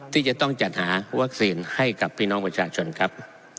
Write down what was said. ที่จะต้องจัดหาวัคซีนให้กับพี่น้องประชาชนครับ